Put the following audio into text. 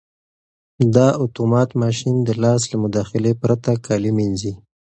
دا اتومات ماشین د لاس له مداخلې پرته کالي مینځي.